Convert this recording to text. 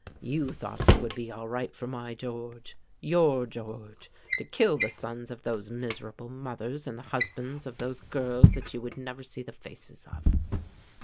You thought it would be all right for my George, your George, to kill the sons of those miserable mothers and the husbands of those girls that you would never see the faces of."